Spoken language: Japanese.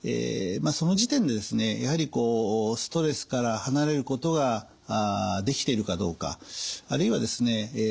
その時点でですねやはりストレスから離れることができているかどうかあるいはですね